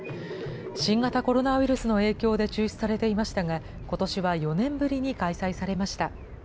新型コロナウイルスの影響で中止されていましたが、ことしは４年ぶりに開催されました。